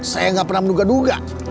saya gak pernah menuga duga